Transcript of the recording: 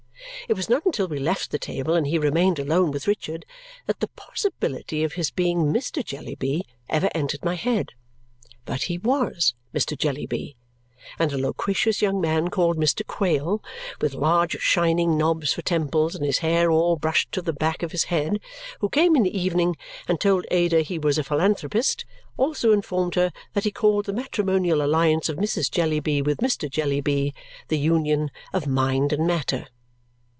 It was not until we left the table and he remained alone with Richard that the possibility of his being Mr. Jellyby ever entered my head. But he WAS Mr. Jellyby; and a loquacious young man called Mr. Quale, with large shining knobs for temples and his hair all brushed to the back of his head, who came in the evening, and told Ada he was a philanthropist, also informed her that he called the matrimonial alliance of Mrs. Jellyby with Mr. Jellyby the union of mind and matter.